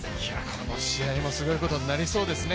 この試合もすごいことになりそうですね。